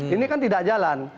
ini kan tidak jalan